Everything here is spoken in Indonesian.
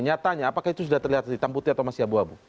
nyatanya apakah itu sudah terlihat hitam putih atau masih abu abu